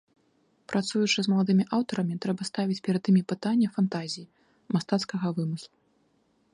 Працуючы з маладымі аўтарамі, трэба ставіць перад імі пытанне фантазіі, мастацкага вымыслу.